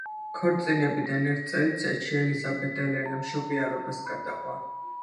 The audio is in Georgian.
ქორწინებიდან ერთ წელიწადში ელიზაბეთ ელენა მშობიარობას გადაჰყვა.